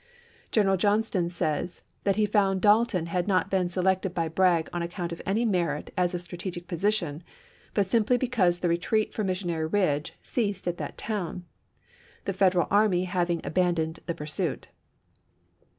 General Johnston says that he found Dalton had not been selected by Bragg on account of any merit as a strategic position, but simply because the retreat from Missionary Ridge ceased at that town. GEANT GENEEAL IN CHIEF 329 the Federal army having abandoned the pursuit, ch.